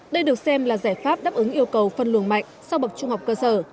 đây được xem là giải pháp đáp ứng yêu cầu phân luồng mạnh sau bậc trung học cơ sở